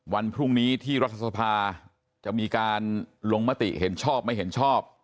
วันพรุ่งนี้ที่รัฐสภาจะมีการลงมติเห็นชอบไม่เห็นชอบ